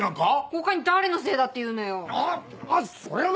他に誰のせいだっていうのよ。